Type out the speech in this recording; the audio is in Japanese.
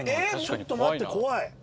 えっちょっと待って怖い。